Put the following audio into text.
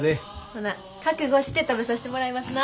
ほな覚悟して食べさしてもらいますな。